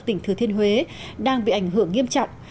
tỉnh thừa thiên huế đang bị ảnh hưởng nghiêm trọng